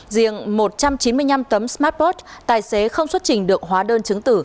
riêng một trăm chín mươi năm tấm smartppot tài xế không xuất trình được hóa đơn chứng tử